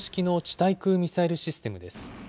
対空ミサイルシステムです。